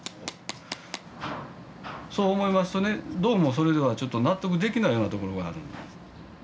そう思いますとねどうもそれではちょっと納得できないようなところがあるんです。